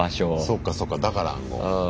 そっかそっかだから暗号。